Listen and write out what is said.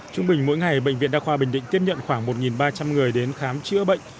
trung bình mỗi ngày bệnh viện đa khoa bình định tiếp nhận khoảng một ba trăm linh người đến khám chữa bệnh